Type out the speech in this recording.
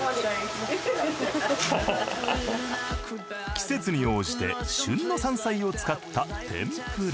季節に応じて旬の山菜を使った天ぷら。